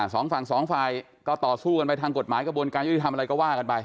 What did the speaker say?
สองฝั่งสองฝ่ายก็ต่อสู้กันไปทางกฎหมายกระบวนการยุติธรรมอะไรก็ว่ากันไป